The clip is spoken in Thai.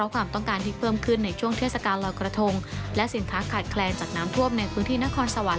ขาดแคลงจากน้ำท่วมในพื้นที่นครสาวรับ